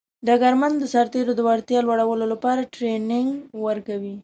ډګرمن د سرتیرو د وړتیا لوړولو لپاره ټرینینګ ورکوي.